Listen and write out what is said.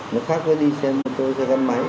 nó khác cứ đi xe mô tô xe gắn máy